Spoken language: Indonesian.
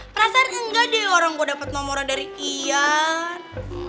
perasaan enggak deh orang gue dapet nomornya dari iyan